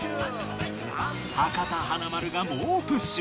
博多華丸が猛プッシュ！